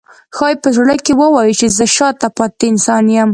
ښایي په زړه کې ووایي چې زه شاته پاتې انسان یم.